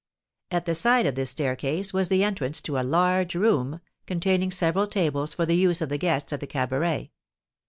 At the side of this staircase was the entrance to a large room, containing several tables for the use of the guests at the cabaret.